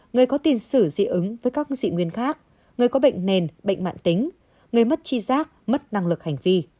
người có tiền sử dị ứng với các dị nguyên khác người có bệnh nền bệnh mạng tính người mất chi giác mất năng lực hành vi